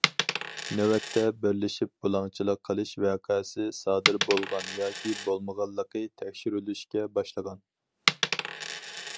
نۆۋەتتە بىرلىشىپ بۇلاڭچىلىق قىلىش ۋەقەسى سادىر بولغان ياكى بولمىغانلىقى تەكشۈرۈلۈشكە باشلىغان.